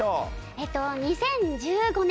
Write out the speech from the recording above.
えっと２０１５年。